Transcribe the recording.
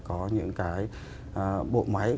có những cái bộ máy